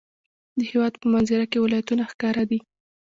د هېواد په منظره کې ولایتونه ښکاره دي.